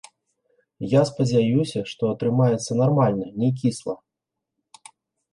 Я спадзяюся, што атрымаецца нармальна, не кісла.